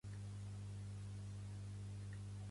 Quan va ser que vam anar a l'Eliana?